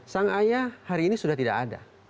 sang ayah hari ini sudah tidak ada